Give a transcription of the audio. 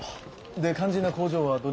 で肝心の工場はどねな